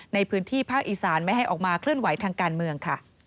ในพื้นที่ภาคอีสานไม่ให้ออกมาเคลื่อนไหวทางการเมืองค่ะ